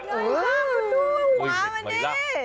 คงเห็นไหมละ